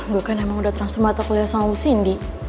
gue kan emang udah terang semata kuliah sama bu sindi